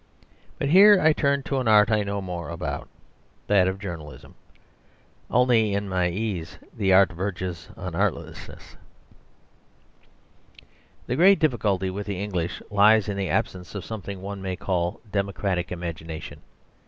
But here I turn to an art I know more about, that of journalism. Only in my ease the art verges on artlessness. The great difficulty with the English lies in the absence of something one may call democratic imagination.